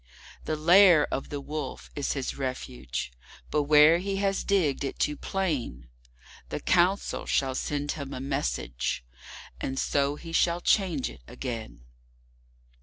The Lair of the Wolf is his refuge, but where he has digged it too plain, The Council shall send him a message, and so he shall change it again.